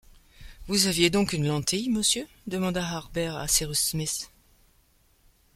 Vous aviez donc une lentille, monsieur ? demanda Harbert à Cyrus Smith